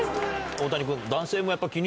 大谷君。